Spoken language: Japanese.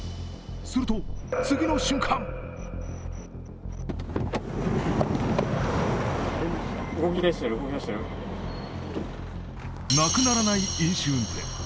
すると、次の瞬間なくならない飲酒運転。